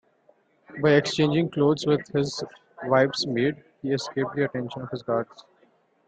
By exchanging clothes with his wife's maid, he escaped the attention of his guards.